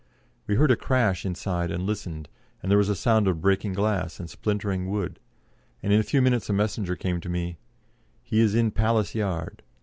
We heard a crash inside, and listened, and there was sound of breaking glass and splintering wood, and in a few minutes a messenger came to me: "He is in Palace Yard."